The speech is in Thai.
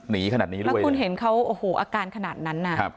ขนาดนี้ด้วยแล้วคุณเห็นเขาโอ้โหอาการขนาดนั้นน่ะ